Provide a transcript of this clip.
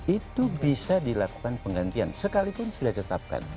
itu bisa dilakukan penggantian sekalipun sudah ditetapkan